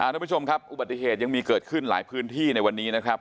ทุกผู้ชมครับอุบัติเหตุยังมีเกิดขึ้นหลายพื้นที่ในวันนี้นะครับ